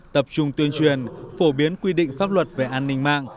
tập trung tuyên truyền phổ biến quy định pháp luật về an ninh mạng